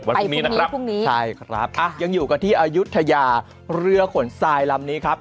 วันพรุ่งนี้นะครับยังอยู่กับที่อายุทยาเรือขนทรายลำนี้ครับ